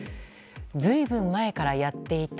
随分前からやっていた